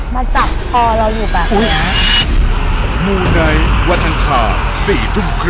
มาจับคอเราอยู่แบบเนี้ย